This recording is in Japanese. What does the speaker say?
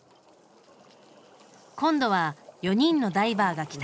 今度は４人のダイバーが来た。